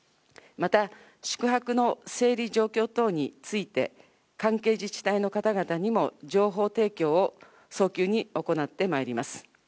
また、宿泊の整理状況等について、関係自治体の方々にも情報提供を早急に行ってまいります。